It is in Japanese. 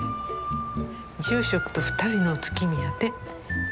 住職と２人のお月見やて。